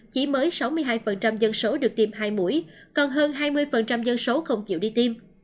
chỉ mới sáu mươi hai dân số được tiêm hai mũi còn hơn hai mươi dân số không chịu đi tiêm